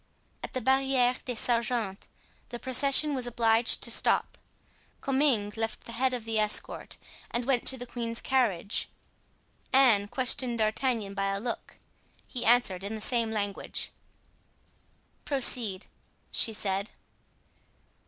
At the Barriere des Sergents the procession was obliged to stop. Comminges left the head of the escort and went to the queen's carriage. Anne questioned D'Artagnan by a look. He answered in the same language. "Proceed," she said.